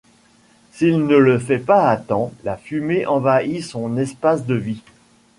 S'il ne le fait pas à temps, la fumée envahie son espace de vie.